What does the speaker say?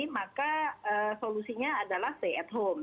maka solusinya adalah stay at home